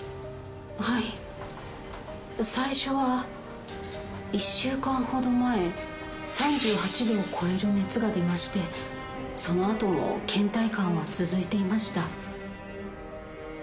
はい最初は１週間ほど前３８度を超える熱が出ましてその後も倦怠感は続いていました